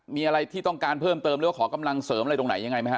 มีอะไรที่ต้องการเพิ่มเติมหรือว่าขอกำลังเสริมอะไรตรงไหนยังไงไหมฮ